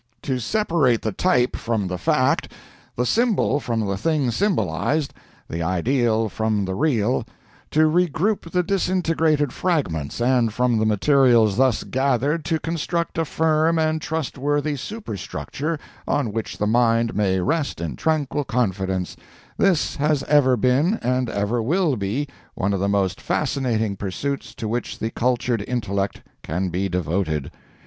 To separate the type from the fact; the symbol from the thing symbolized; the ideal from the real; to regroup the disintegrated fragments, and from the materials thus gathered to construct a firm and trustworthy superstructure on which the mind may rest in tranquil confidence; this has ever been and ever will be one of the most fascinating pursuits to which the cultured intellect can be devoted.